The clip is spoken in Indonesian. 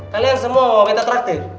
kalian semua beta traktir